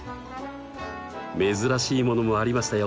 珍しいものもありましたよ！